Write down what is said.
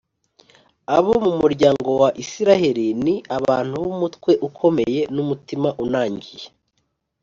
abo mu muryango wa Israheli ni abantu b’umutwe ukomeye n’umutima unangiye